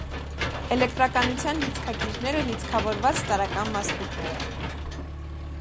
Էլեկտրականության լիցքակիրները լիցքավորված տարրական մասնիկներն են։